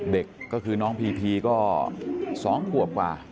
เด็กก็คือน้องพีพีก็๒ขวบกว่า